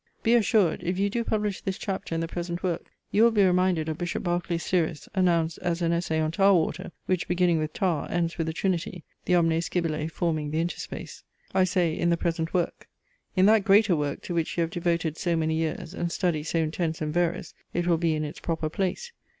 Be assured, if you do publish this Chapter in the present work, you will be reminded of Bishop Berkeley's Siris, announced as an Essay on Tar water, which beginning with Tar ends with the Trinity, the omne scibile forming the interspace. I say in the present work. In that greater work to which you have devoted so many years, and study so intense and various, it will be in its proper place.